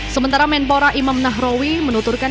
sementara menpora imam nahrawi menuturkan